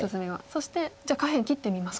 そしてじゃあ下辺切ってみますか。